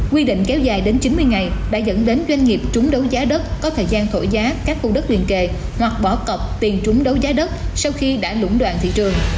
quy định kéo dài đến chín mươi ngày đã dẫn đến doanh nghiệp trúng đấu giá đất có thời gian thổi giá các khu đất liền kề hoặc bỏ cọc tiền trúng đấu giá đất sau khi đã lũng đoạn thị trường